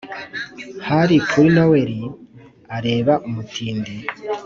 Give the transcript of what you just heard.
hari kuri noweli, areba umutindi;